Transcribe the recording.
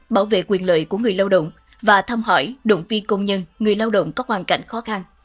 bảo vệ quyền lợi của người lao động và thăm hỏi động viên công nhân người lao động có hoàn cảnh khó khăn